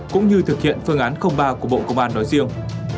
cũng như thực hiện phương án ba của bộ công an nói riêng